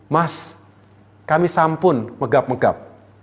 mas kami sampun megap megap